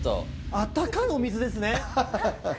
あったかいお水ですね？